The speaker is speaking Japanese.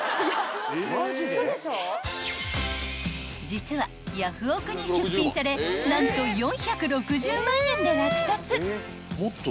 ［実はヤフオク！に出品され何と４６０万円で落札］